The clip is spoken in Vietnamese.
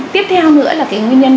tiếp theo nữa là cái nguyên nhân